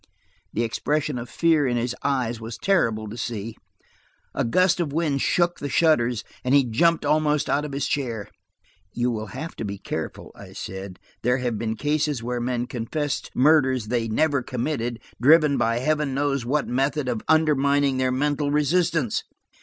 The expression of fear in his eyes was terrible to see. A gust of wind shook the shutters, and he jumped almost out of his chair. "You will have to be careful," I said. "There have been cases where men confessed murders they never committed, driven by Heaven knows what method of undermining their mental resistance.